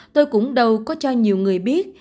tôi cũng đâu có cho nhiều người biết